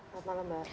selamat malam mbak